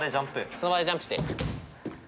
その場でジャンプして。